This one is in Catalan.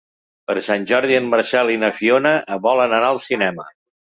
Per Sant Jordi en Marcel i na Fiona volen anar al cinema.